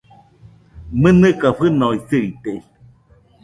¡Mɨnɨka fɨnoisɨite!